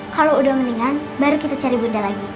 kalau udah mendingan baru kita cari bunda lagi